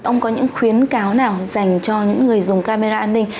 ông có những khuyến cáo nào dành cho những người dùng camera an ninh